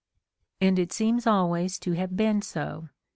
And it seems always to have been so.